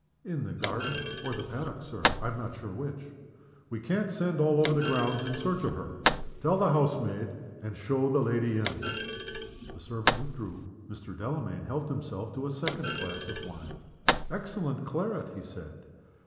"In the garden, or the paddock, Sir I am not sure which." "We can't send all over the grounds in search of her. Tell the house maid, and show the lady in." The servant withdrew. Mr. Delamayn helped himself to a second glass of wine. "Excellent claret," he said.